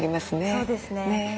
そうですね。